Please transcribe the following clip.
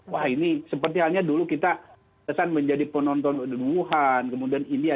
wah ini seperti halnya dulu kita kesan menjadi penonton wuhan kemudian india